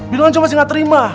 bilang cuma sih gak terima